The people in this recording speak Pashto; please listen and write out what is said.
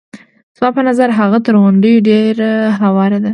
زما په نظر هغه تر غونډیو ډېره هواره ده.